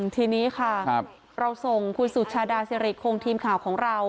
ทีนี้ค่ะเราส่งคุณสุชาดาสิริคงทีมข่าวของเรา